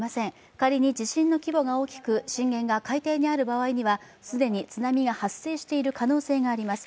仮に地震の規模が大きく、震源が海底にある場合は既に津波が発生している可能性があります。